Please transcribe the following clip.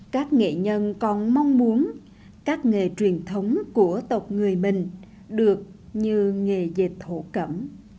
các nghệ nhân còn mong muốn các nghề truyền thống của tộc người mình được như nghề dệt thổ cẩm